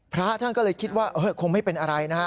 พระท่านก็เลยคิดว่าคงไม่เป็นอะไรนะฮะ